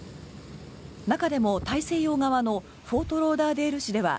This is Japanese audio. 中でも大西洋側のフォートローダーデール市では